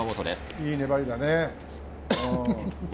いい粘りだね。